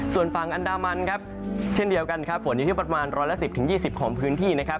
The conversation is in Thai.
ส่วนฝั่งอันดามันครับเช่นเดียวกันครับฝนอยู่ที่ประมาณ๑๑๐๒๐ของพื้นที่นะครับ